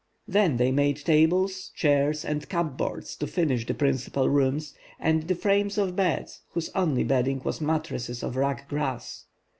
Then they made tables, chairs and cupboards to furnish the principal rooms, and the frames of beds whose only bedding was mattrasses of wrack grass.